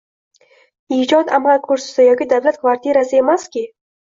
Ijod amal kursisi yoki davlat kvartirasi emaski